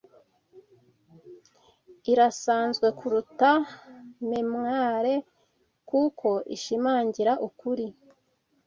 irasanzwe kuruta memware kuko ishimangira ukuri